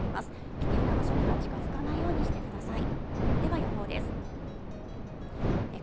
危険な場所には近づかないようにしてください。